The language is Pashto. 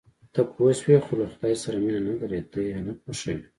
ته پوه شوې، خو له خدای سره مینه نه لرې، ته یې نه خوښوې.